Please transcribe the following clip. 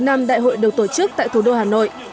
lần thứ năm đại hội được tổ chức tại thủ đô hà nội